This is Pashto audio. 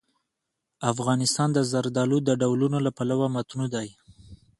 افغانستان د زردالو د ډولونو له پلوه متنوع دی.